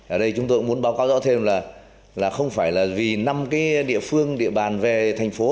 ở đây chúng tôi muốn báo cáo rõ thêm là không phải là vì năm cái địa phương địa bàn về thành phố